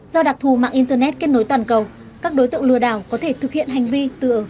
do đặc thù mạng internet kết nối toàn cầu các đối tượng lừa đảo có thể thực hiện hành vi từ bất cứ nơi đâu